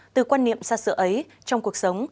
từ quan niệm xa xưa ấy trong cuộc sống